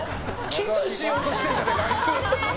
キスしようとしてねえかあいつ。